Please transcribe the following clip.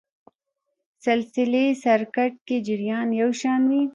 سلسلې سرکټ کې جریان یو شان وي.